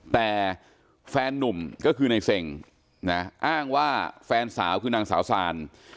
แต่แฟนนุ่มก็คือในเซ็งนะอ้างว่าแฟนสาวคือนางสาวซาน